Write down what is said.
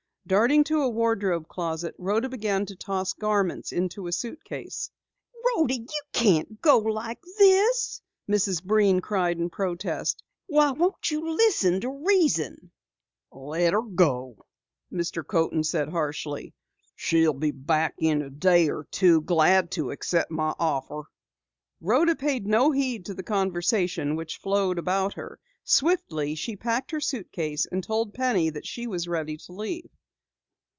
Darting to a wardrobe closet, Rhoda began to toss garments into a suitcase. "Rhoda, you can't go like this!" Mrs. Breen cried in protest. "Why won't you listen to reason?" "Let her go!" Mr. Coaten said harshly. "She'll come back in a day or two glad to accept my offer." Rhoda paid no heed to the conversation which flowed about her. Swiftly she packed her suitcase and told Penny that she was ready to leave.